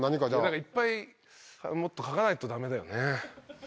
なんかいっぱいもっと書かないとダメだよね。